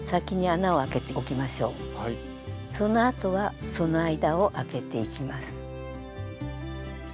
そのあとはその間をあけていきます。